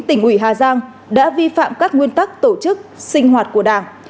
tỉnh ủy hà giang đã vi phạm các nguyên tắc tổ chức sinh hoạt của đảng